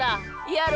やる！